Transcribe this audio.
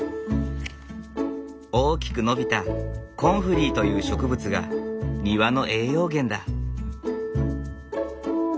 大きく伸びたコンフリーという植物が庭の栄養源だ。